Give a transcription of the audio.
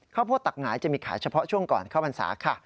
ข้าวโพดตักหงายจะมีขายเฉพาะช่วงก่อนเข้าพรรษาค่ะ